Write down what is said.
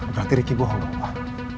berarti ricky bohong dong pak